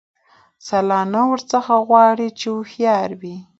سلا نه ورڅخه غواړي چي هوښیار وي